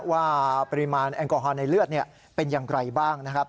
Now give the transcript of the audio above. ว่าปริมาณแอลกอฮอลในเลือดเป็นอย่างไรบ้างนะครับ